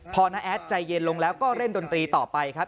พอน้าแอดใจเย็นลงแล้วก็เล่นดนตรีต่อไปครับ